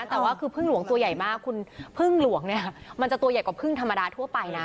แต่ว่าคือพึ่งหลวงตัวใหญ่มากคุณพึ่งหลวงเนี่ยมันจะตัวใหญ่กว่าพึ่งธรรมดาทั่วไปนะ